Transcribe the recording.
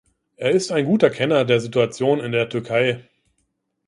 Er ist ein guter Kenner der Situation in der Türkei.